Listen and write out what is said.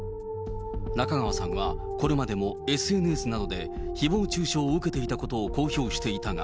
中川さんはこれまでもＳＮＳなどで、ひぼう中傷を受けていたことを公表していたが。